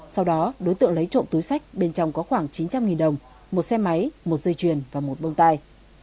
sau đó đối tượng lấy trộm túi sách bên trong có khoảng chín trăm linh đồng một xe máy một dây chuyền và một bông tai